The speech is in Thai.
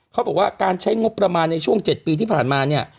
เขาบอกว่าการใช้งบประมาณในช่วง๗ปีที่ผ่านมาเนี่ย